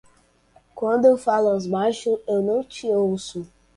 Quando falas baixo eu não te ouço.